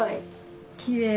きれい。